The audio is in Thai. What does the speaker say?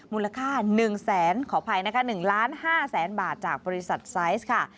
มูลค่า๑แสนขออภัยนะคะ๑ล้าน๕แสนบาทจากบริษัทไซส์ค่ะ